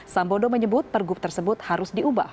sambodo menyebut pergub tersebut harus diubah